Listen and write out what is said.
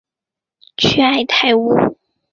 屈埃泰乌。